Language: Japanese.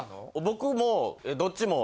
僕も。